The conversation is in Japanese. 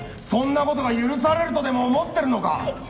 そんな事が許されるとでも思ってるのか！？